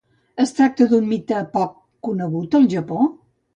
Es tracta d'un mite poc conegut al Japó?